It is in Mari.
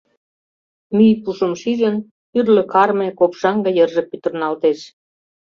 Мӱй пушым шижын, тӱрлӧ карме, копшаҥге йырже пӱтырналтеш.